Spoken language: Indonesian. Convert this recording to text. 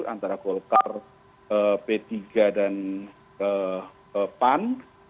antara golkar p tiga dan pan